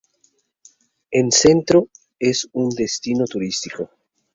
En centro es un destino turístico.